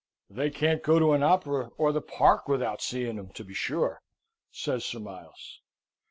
"They can't go to an opera, or the park, without seeing 'em, to be sure," says Sir Miles.